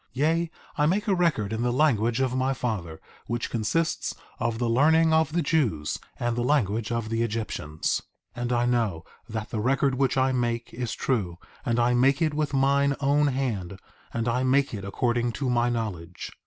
1:2 Yea, I make a record in the language of my father, which consists of the learning of the Jews and the language of the Egyptians. 1:3 And I know that the record which I make is true; and I make it with mine own hand; and I make it according to my knowledge.